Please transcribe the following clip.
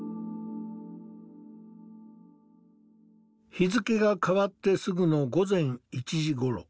日付が変わってすぐの午前１時頃。